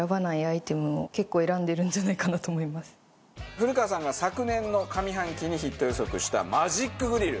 古川さんが昨年の上半期にヒット予測したマジックグリル。